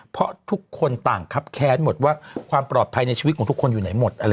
เพราะทุกคนต่างครับแค้นหมดว่าความปลอดภัยในชีวิตของทุกคนอยู่ไหนหมด